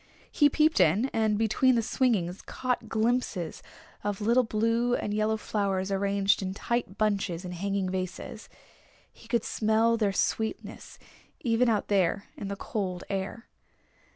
He peeped in, and between the swingings caught glimpses of little blue and yellow flowers arranged in tight bunches in hanging vases. He could smell their sweetness even out there in the cold air.